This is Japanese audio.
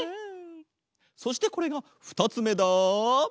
そしてこれがふたつめだ。